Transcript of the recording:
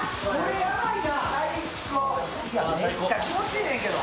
めっちゃ気持ちええねんけど。